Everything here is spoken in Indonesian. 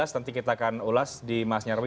nanti kita akan ulas di mas nyarwi